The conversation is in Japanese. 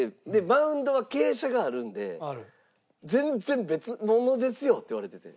「マウンドは傾斜があるんで全然別物ですよ」って言われてて。